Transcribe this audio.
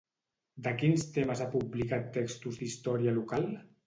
De quins temes ha publicat textos d'història local?